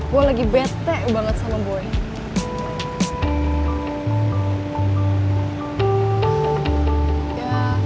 gue lagi bete banget sama boy